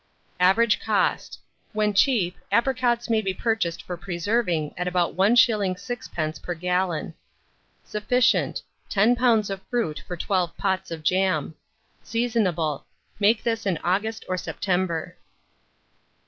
Average cost. When cheap, apricots may be purchased for preserving at about 1s. 6d. per gallon. Sufficient, 10 lbs. of fruit for 12 pots of jam. Seasonable. Make this in August or September.